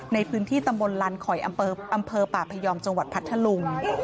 ในพื้นที่ตำบลลันคอยอำเภอป่าพยอมจังหวัดพัทธลุง